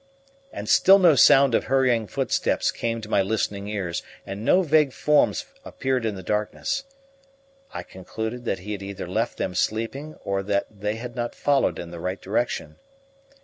And still no sound of hurrying footsteps came to my listening ears and no vague forms appeared in the darkness. I concluded that he had either left them sleeping or that they had not followed in the right direction.